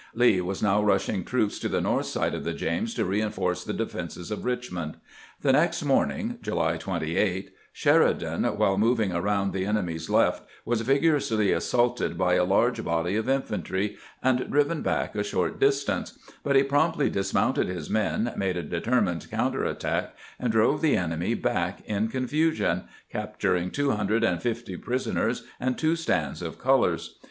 Lee was now rush ing troops to the north side of the James to reinforce the defenses of Richmond. The next morning (July 28) Sheridan, while moving around the enemy's left, was vigorously assaulted by a large body of infantry, and driven back a short distance; but he promptly dis mounted his men, made a determined counter attack, and drove the enemy back in confusion, capturing two hundred and fifty prisoners and two stands of colors.